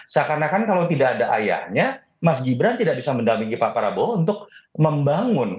seakan akan kalau tidak ada ayahnya mas gibran tidak bisa mendampingi pak prabowo untuk membangun